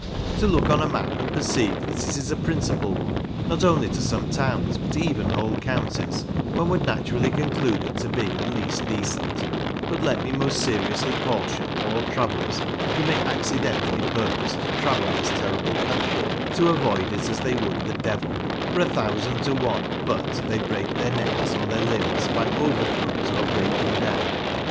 To look on a map, and perceive that it is a principal one, not only to some towns, but even whole counties, one would naturally conclude it to be at least decent ; but let me most seriously caution all travellers who may accidentally purpose to travel this terrible country to avoid it as they would the devil, for a thousand to one but they break their necks or their limbs by overthrows or breaking down.